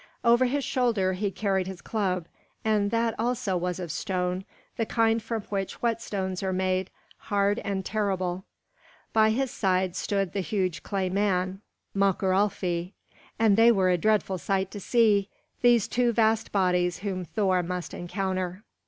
Over his shoulder he carried his club, and that also was of stone, the kind from which whetstones are made, hard and terrible. By his side stood the huge clay man, Möckuralfi, and they were a dreadful sight to see, these two vast bodies whom Thor must encounter.